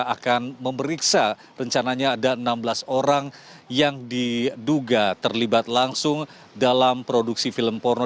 akan memeriksa rencananya ada enam belas orang yang diduga terlibat langsung dalam produksi film porno